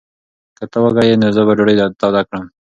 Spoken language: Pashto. که ته وږی یې، نو زه به ډوډۍ توده کړم.